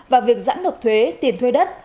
và việc giãn nộp thuế tiền thuê đất